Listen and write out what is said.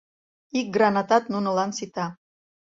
Ик гранатат нунынлан сита...